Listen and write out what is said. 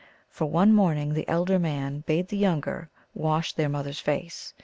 For one morning the elder man bade the younger wash their mother s face.